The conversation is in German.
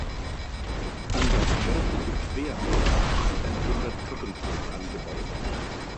An das nördliche Querhaus ist ein runder Treppenturm angebaut.